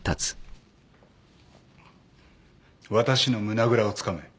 私の胸ぐらをつかめ。